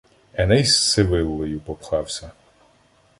Еней з Сивиллою попхався